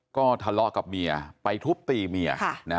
ก็ทะเลาะกับเมียไปทุบตีเมีย